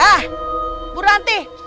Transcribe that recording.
ah bu ranti